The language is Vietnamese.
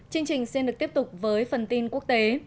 chương trình xin được tiếp tục với phần tin quốc tế